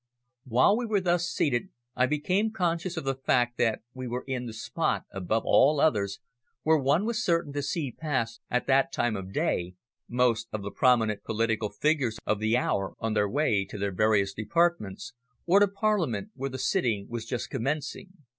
While we were thus seated I became conscious of the fact that we were in the spot above all others where one was certain to see pass, at that time of day most of the prominent political figures of the hour on their way to their various Departments, or to Parliament where the sitting was just commencing.